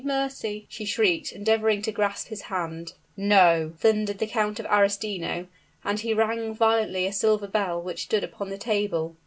mercy!" she shrieked, endeavoring to grasp his hand. "No!" thundered the Count of Arestino; and he rang violently a silver bell which stood upon the table.